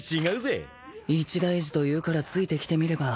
一大事というからついてきてみれば。